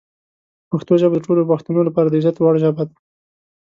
پښتو ژبه د ټولو پښتنو لپاره د عزت وړ ژبه ده.